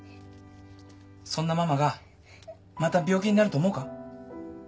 そんなママがまた病気になると思うか？